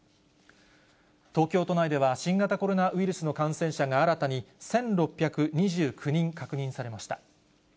東京都内では、新型コロナウイルスの感染者が、新たに１６２９人確認されました。